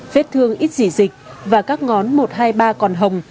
phết thương ít dị dịch và các ngón một hai ba còn hồng